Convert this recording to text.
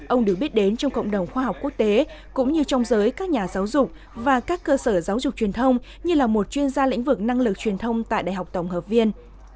ông được biết đến trong cộng đồng khoa học quốc tế cũng như trong giới các nhà giáo dục và các cơ sở giáo dục truyền thông như là một chuyên gia lĩnh vực năng lực truyền thông tại đại học tổng hợp viên